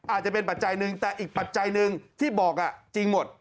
อาจจะเป็นปัจจัยหนึ่งแต่อีกปัจจัยหนึ่งที่บอกจริงหมด